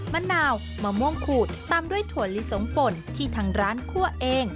มะนาวมะม่วงขูดตามด้วยถั่วลิสงป่นที่ทางร้านคั่วเอง